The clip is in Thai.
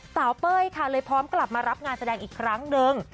เป้ยค่ะเลยพร้อมกลับมารับงานแสดงอีกครั้งหนึ่ง